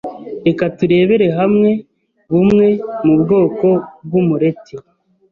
Reka turebere hamwe bumwe mu bwoko bw’umureti